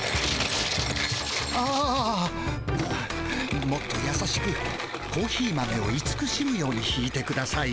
ああもっとやさしくコーヒー豆をいつくしむようにひいてください。